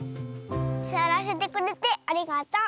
すわらせてくれてありがとう。